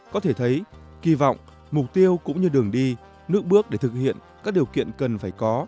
có thể thấy kỳ vọng mục tiêu cũng như đường đi nước bước để thực hiện các điều kiện cần phải có